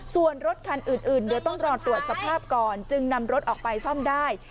ส่วนรถคันอื่นเดี๋ยวต้องรอตรวจสภาพก่อนจึงนำรถออกไปซ่อมได้